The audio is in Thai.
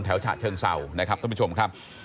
ฉะเชิงเศร้านะครับท่านผู้ชมครับ